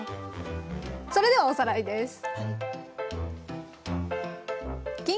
それではおさらいです。